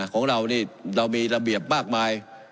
ของเรานี่เรามีระเบียบมากมาย